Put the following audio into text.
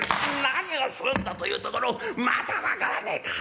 「何をするんだ」というところを「まだ分からねえか！」。